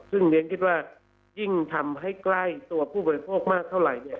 ซึ่งเรียนคิดว่ายิ่งทำให้ใกล้ตัวผู้บริโภคมากเท่าไหร่เนี่ย